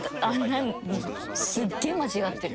「すっげえ間違ってる」？